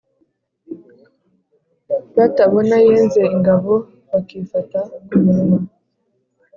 batabona yenze ingabo bakifata ku munwa.